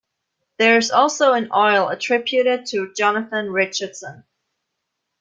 There is also an oil attributed to Jonathan Richardson.